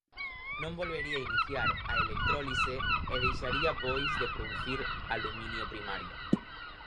Non volvería iniciar a electrólise e deixaría pois de producir aluminio primario.